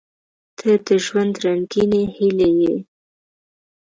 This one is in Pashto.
• ته د ژوند رنګینې هیلې یې.